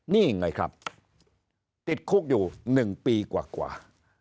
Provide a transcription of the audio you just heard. นี่ไงครับติดคุกอยู่๑ปีกว่า